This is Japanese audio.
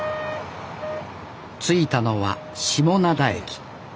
着いたのは下灘駅。